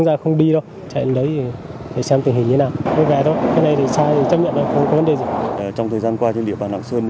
trong thời gian qua trên địa bàn hạng sơn